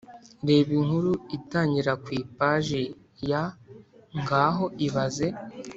Reba inkuru itangira ku ipaji ya Ngaho ibaze